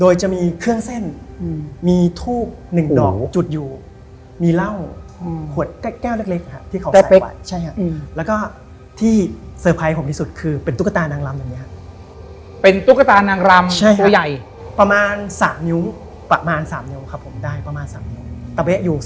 ยังคิดว่าเขาอ่ำอยู่